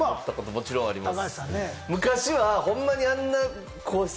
もちろんあります。